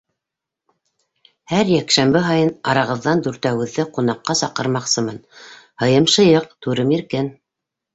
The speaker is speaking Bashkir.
Һәр йәкшәмбе һайын арағыҙҙан дүртәүегеҙҙе ҡунаҡҡа саҡырмаҡсымын, һыйым шыйыҡ, түрем иркен.